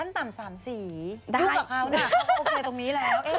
น่าจะสั่งขั้นต่ำ๓สี